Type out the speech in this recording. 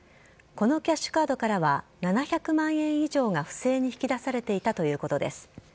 このキャッシュカードからは７００万円以上が不正に引き出されていたということです。